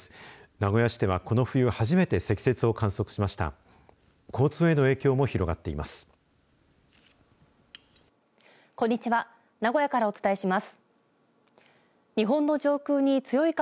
名古屋市では、この冬初めて積雪を観測しました。